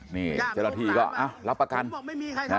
นี่เจรฐีก็เอ้ารับประกัน